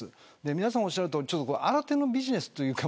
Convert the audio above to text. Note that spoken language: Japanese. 皆さんがおっしゃるとおり新手のビジネスというか